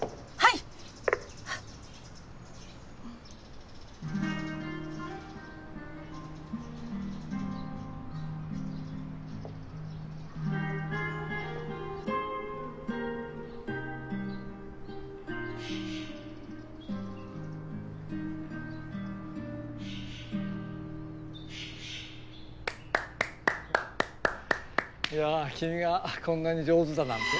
・いや君がこんなに上手だなんて。